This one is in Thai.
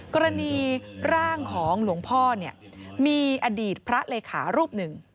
กรณีร่างของหลวงพ่อเนี่ยมีอดีตพระเลขารูปหนึ่ง